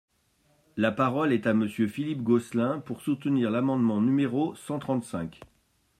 La parole est à Monsieur Philippe Gosselin, pour soutenir l’amendement numéro cent trente-cinq.